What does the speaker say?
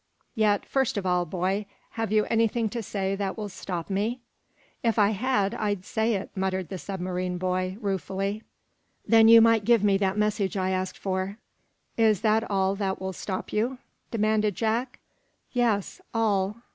"Yet, first of all, boy, have you anything to say that will stop me?" "If I had, I'd say it," muttered the submarine boy, ruefully. "Then you might give me that message I asked for." "Is that all that will stop you?" demanded Jack. "Yes. All."